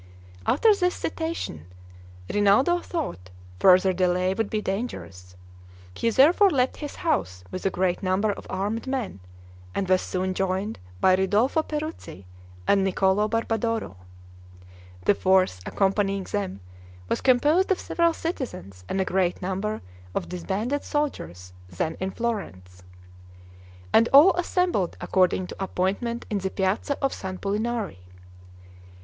After this citation, Rinaldo thought further delay would be dangerous: he therefore left his house with a great number of armed men, and was soon joined by Ridolfo Peruzzi and Niccolo Barbadoro. The force accompanying them was composed of several citizens and a great number of disbanded soldiers then in Florence: and all assembled according to appointment in the piazza of San Pulinari.